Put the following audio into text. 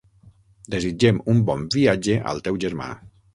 Desitgem un bon viatge al teu germà.